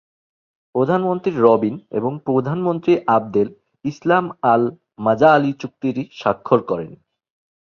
প্রধানমন্ত্রী রবিন এবং প্রধানমন্ত্রী আবদেল ইসলাম আল-মাজালি চুক্তিটি স্বাক্ষর করেন।